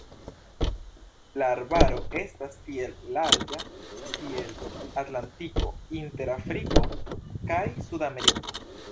La arbaro esta tiel larĝa kiel Atlantiko inter Afriko kaj Sudameriko.